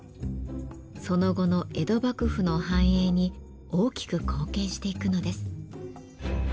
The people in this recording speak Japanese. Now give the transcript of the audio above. その後の江戸幕府の繁栄に大きく貢献していくのです。